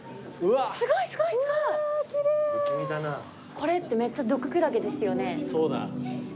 これってめっちゃ毒クラゲですよね。